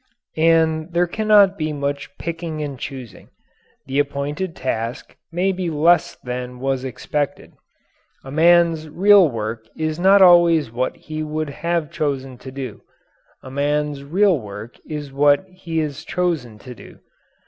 And there cannot be much picking and choosing. The appointed task may be less than was expected. A man's real work is not always what he would have chosen to do. A man's real work is what he is chosen to do.